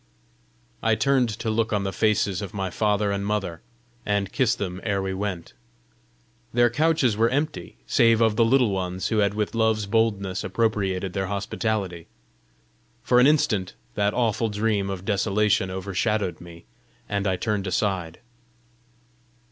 I turned to look on the faces of my father and mother, and kiss them ere we went: their couches were empty save of the Little Ones who had with love's boldness appropriated their hospitality! For an instant that awful dream of desolation overshadowed me, and I turned aside.